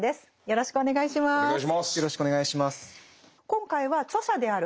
よろしくお願いします。